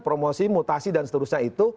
promosi mutasi dan seterusnya itu